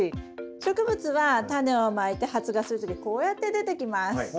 植物はタネをまいて発芽する時はこうやって出てきます。